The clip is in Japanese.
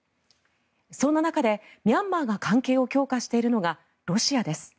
そんな中でミャンマーが関係を強化しているのがロシアです。